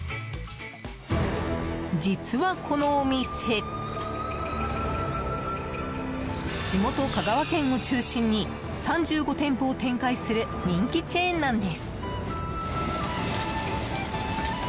実は、このお店地元・香川県を中心に３５店舗を展開する人気チェーンなんです。